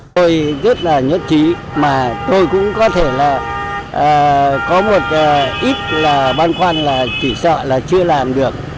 tôi rất là nhất trí mà tôi cũng có thể là có một ít là băn khoăn là chỉ sợ là chưa làm được